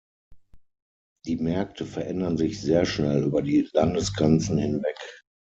Die Märkte verändern sich sehr schnell, über die Landesgrenzen hinweg.